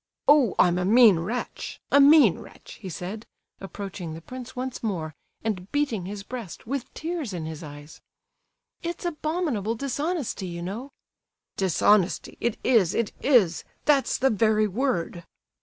"Oh, I'm a mean wretch—a mean wretch!" he said, approaching the prince once more, and beating his breast, with tears in his eyes. "It's abominable dishonesty, you know!" "Dishonesty—it is, it is! That's the very word!"